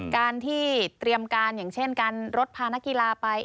การที่เตรียมการอย่างเช่นการรถพานักกีฬาไป